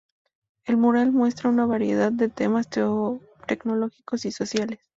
El mural muestra una variedad de temas tecnológicos y sociales.